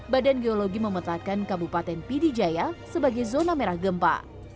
badan geologi memetakkan kabupaten pidijaya sebagai zona merah gempa